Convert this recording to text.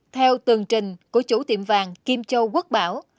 theo tường trình của chủ tiệm vàng kim châu quốc bảo